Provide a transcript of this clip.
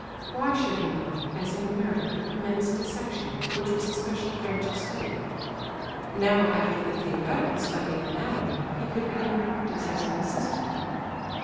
Why should he not, as in America, commence dissection, which was a special branch of study? Now after the theoretical study of anatomy, he could begin practice as an assistant.